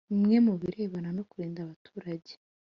bimwe mu birebana no kurinda abaturage